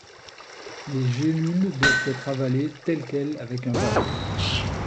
Les gélules doivent être avalées telles quelles avec un verre d'eau.